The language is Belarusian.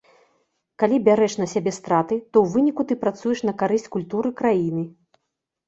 Калі бярэш на сябе страты, то ў выніку ты працуеш на карысць культуры краіны.